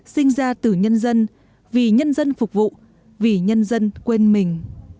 sinh ra từ nhân dân vì nhân dân phục vụ vì nhân dân quên mình